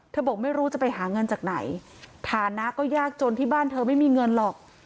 บอกไม่รู้จะไปหาเงินจากไหนฐานะก็ยากจนที่บ้านเธอไม่มีเงินหรอก